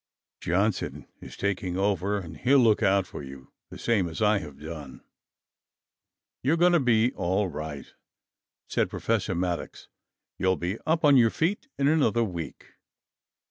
Johnson is taking over and he'll look out for you, the same as I have done." "You're going to be all right!" said Professor Maddox. "You'll be up on your feet in another week!"